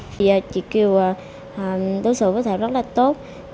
bây giờ chị kiều đối xử với thảo rất là tốt